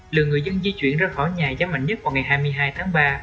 lượng người dân di chuyển ra khỏi nhà giảm mạnh nhất vào ngày hai mươi hai tháng ba